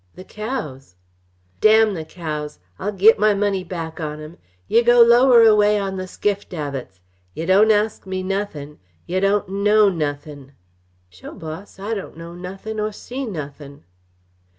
"The cows " "Damn the cows! I'll git my money back on 'em! Yeh go lower away on the skiff davits. Yeh don't ask me nothin' yeh don't know nothin'!" "Sho', boss! I don't know nothin', or see nothin'!"